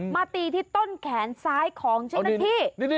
มาตีที่ต้นแขนซ้ายของเจ้าหน้าที่